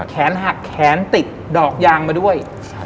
แขนหักแขนติดดอกยางมาด้วย